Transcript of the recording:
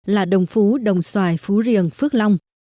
là đồng phú đồng xoài phú riêng phước long